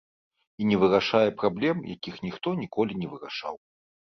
І не вырашае праблем, якіх ніхто ніколі не вырашаў.